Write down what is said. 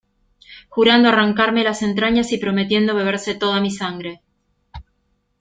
jurando arrancarme las entrañas y prometiendo beberse toda mi sangre.